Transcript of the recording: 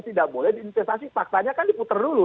tidak boleh diinvestasi faksanya kan diputer dulu